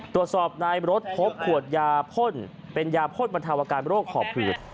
ตรวจสอบในรถพบขวดยาพ่นเป็นยาพ่นบรรเทาอาการโรคหอบหืด